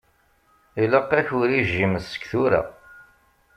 Ilaq-ak urijim seg tura.